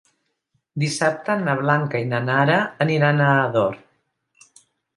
Dissabte na Blanca i na Nara aniran a Ador.